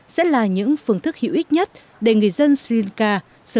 sẽ là những phương thức hữu ích nhất để người dân sri lanka sống tốt hơn